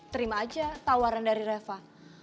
terima aja tawaran dari reva